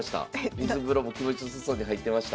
水風呂も気持ち良さそうに入ってました。